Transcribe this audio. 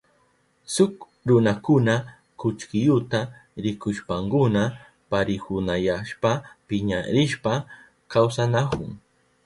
Shuk runakuna kullkiyuta rikushpankuna parihuyanayashpa piñarishpa kawsanahun.